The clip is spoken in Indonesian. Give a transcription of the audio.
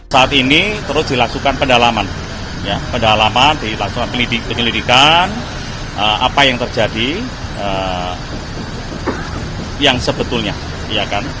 saat ini terus dilakukan pendalaman pendalaman dilakukan penyelidikan apa yang terjadi yang sebetulnya